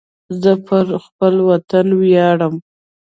زه پر خپل وطن ویاړم